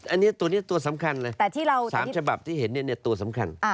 อันนี้ตัวนี้ตัวสำคัญเลยสามฉบับที่เห็นเนี่ยตัวสำคัญ